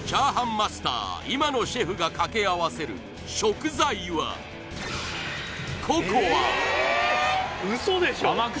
マスター今野シェフが掛け合わせる食材はウソでしょ！？